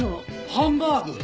ハンバーグ！